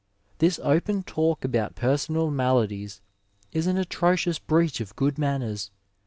This open talk about pergonal maladies is an atrocious breach of good manners.